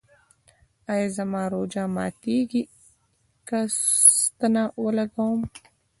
ایا زما روژه ماتیږي که ستنه ولګوم؟